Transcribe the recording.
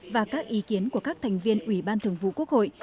và các ý kiến của các thành viên ủy ban thường vụ quốc hội